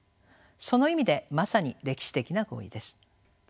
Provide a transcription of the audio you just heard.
その意味でまさに歴史的な合意です。